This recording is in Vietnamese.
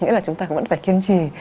nghĩa là chúng ta vẫn phải kiên trì